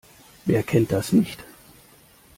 Wer kennt das nicht?